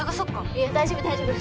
いや大丈夫大丈夫。